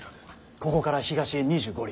ここから東へ２５里。